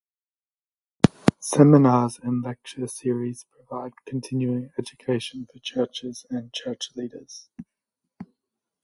Seminars and lecture series provide continuing education for churches and church leaders.